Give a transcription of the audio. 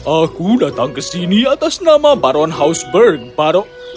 aku datang ke sini atas nama baron hausberg baron